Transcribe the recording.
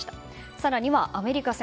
更には、アメリカ戦。